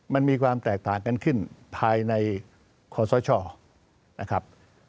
มันมีความแตกต่างกันขึ้นภายในขอสชนะครับ